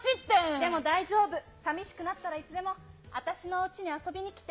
でも大丈夫、さみしくなったら、いつでも私のおうちに遊びにきて。